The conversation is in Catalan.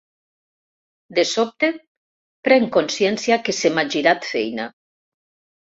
De sobte, prenc consciència que se m'ha girat feina.